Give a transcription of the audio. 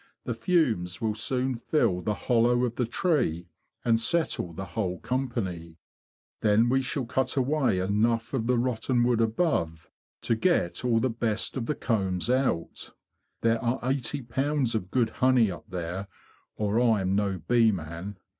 The fumes will soon fill the hollow of the tree and settle the whole company. Then we shall cut away THE BEE HUNTERS 79 enough of the rotten wood above to get all the best of the combs out; there are eighty pounds of good honey up there, or I'm no bee man.